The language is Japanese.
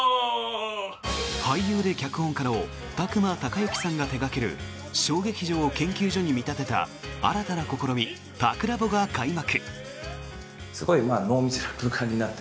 俳優で脚本家の宅間孝行さんが手掛ける小劇場を研究所に見立てた新たな試み、タクラボが開幕！